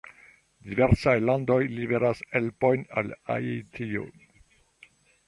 Diversaj landoj liveras helpojn al Haitio.